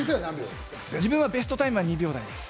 自分のベストタイムは２秒台でした。